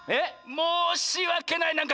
もうしわけない。